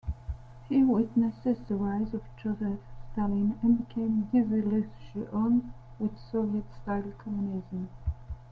He witnessed the rise of Joseph Stalin, and became disillusioned with Soviet-style communism.